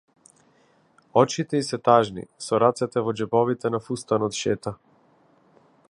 Очите ѝ се тажни, со рацете во џебовите на фустанот шета.